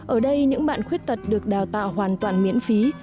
ở đây những bạn khuyết tật được đào tạo hoàn toàn miễn phí